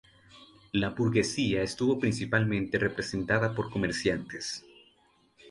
La burguesía estuvo principalmente representada por comerciantes.